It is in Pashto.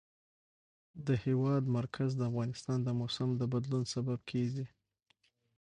د هېواد مرکز د افغانستان د موسم د بدلون سبب کېږي.